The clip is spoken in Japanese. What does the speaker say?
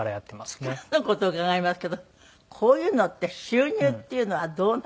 つかぬ事を伺いますけどこういうのって収入っていうのはどう？